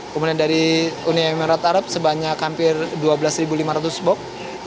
kemudian dari uni emirat arab sebanyak hampir dua belas lima ratus bok